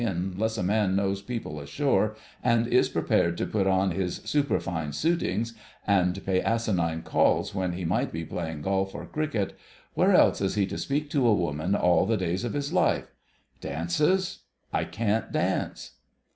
Unless a man knows people ashore, and is prepared to put on his 'superfine suitings' and pay asinine calls when he might be playing golf or cricket, where else is he to speak to a woman all the days of his life? Dances...? I can't dance."